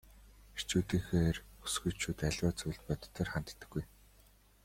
Эрчүүдийнхээр бүсгүйчүүд аливаа зүйлд бодитоор ханддаггүй.